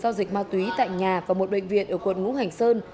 giao dịch ma túy tại nhà và một bệnh viện ở quận ngũ hành sơn